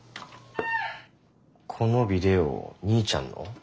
このビデオ兄ちゃんの？